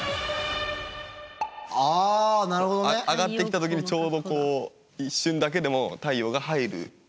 あなるほどね。上がってきた時にちょうどこう一瞬だけでも太陽が入る。